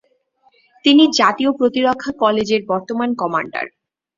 তিনি জাতীয় প্রতিরক্ষা কলেজের বর্তমান কমান্ডার।